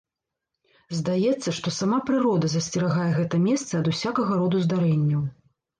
Здаецца, што сама прырода засцерагае гэта месца ад усякага роду здарэнняў.